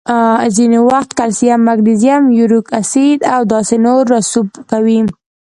ځینې وخت کلسیم، مګنیزیم، یوریک اسید او داسې نور رسوب کوي.